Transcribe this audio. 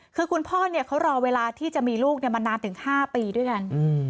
คือคุณพ่อเขารอเวลาที่จะมีลูกมานานถึง๕ปีด้วยกัน